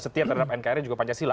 setia terhadap nkri juga pancasila